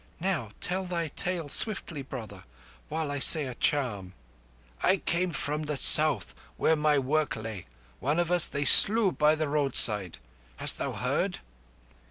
"Now, tell thy tale swiftly, brother, while I say a charm." "I come from the South, where my work lay. One of us they slew by the roadside. Hast thou heard?"